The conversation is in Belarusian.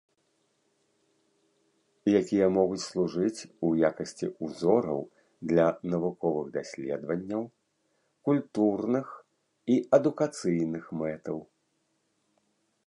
Якія могуць служыць у якасці ўзораў для навуковых даследванняў, культурных і адукацыйных мэтаў.